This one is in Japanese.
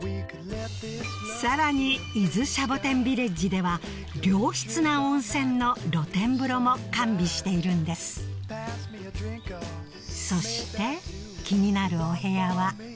さらに伊豆シャボテンヴィレッジでは良質な温泉の露天風呂も完備しているんですそしてあら。